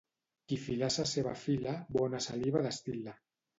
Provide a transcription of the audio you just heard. Qui filassa seva fila bona saliva destil·la.